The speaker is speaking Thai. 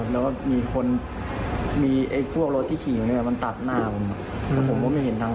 เราไปอย่างไรตอนนั้น